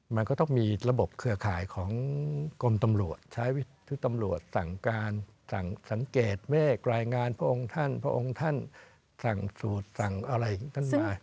มันก็ต้องมีระบบเครือข่ายของกรมตำรวจใช้วิธีตำรวจสั่งการสั่งสังเกตเมฆรายงานพระองค์ท่านพระองค์ท่านสั่งสูตรสั่งอะไรของท่านมา